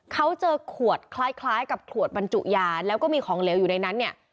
เขาเจอขวดคล้ายกับขวดบรรจุยาแล้วก็มีของเหลวอยู่ในนั้นเนี่ย